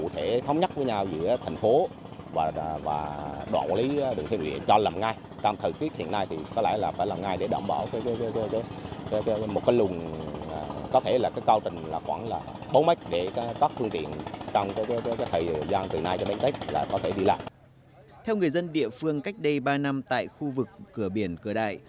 theo người dân địa phương cách đây ba năm tại khu vực cửa biển cửa đại